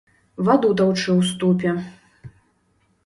Ваду таўчы ў ступе.